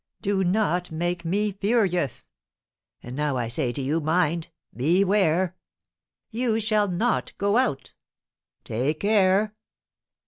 Do not make me furious! And now I say to you, mind beware!" "You shall not go out!" "Take care!"